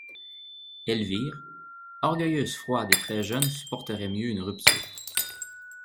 Elvire, orgueilleuse froide et très jeune supporterait mieux une rupture.